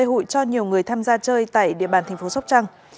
hụi cho nhiều người tham gia chơi tại địa bàn thành phố sóc trăng